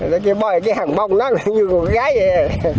nói chứ bôi cái hàng bông nó như con gái vậy